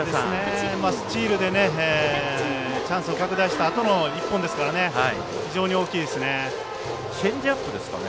スチールでチャンスを拡大したあとの１本ですからチェンジアップですかね。